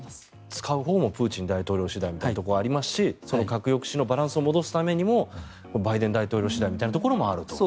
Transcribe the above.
使うほうもプーチン大統領次第というところもありますしその核抑止のバランスを戻すためにもバイデン大統領次第みたいなところもあると。